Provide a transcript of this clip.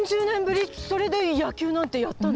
それでやきゅうなんてやったの？